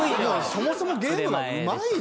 そもそもゲームがうまいんですね。